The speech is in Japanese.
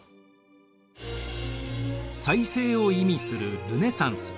再生を意味するルネサンス。